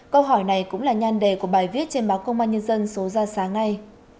câu hỏi này cũng là nhan đề của bài viết trên báo công an nhân dân số ra sáng nay